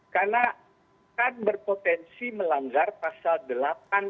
karena kan berpotensi melanggar pasal delapan r satu